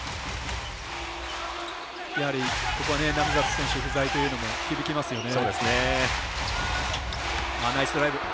やはりここは並里選手不在というのも響きますよね。